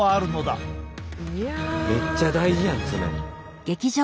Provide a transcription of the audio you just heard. めっちゃ大事やん爪。